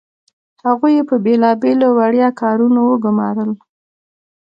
هغوی یې په بیلابیلو وړيا کارونو وګمارل.